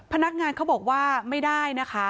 พนักงานเขาบอกว่าไม่ได้นะคะ